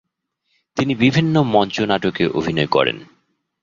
তিনি বিভিন্ন মঞ্চনাটকে অভিনয় করেন।